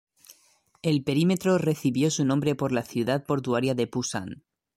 El perímetro recibió su nombre por la ciudad portuaria de Pusan.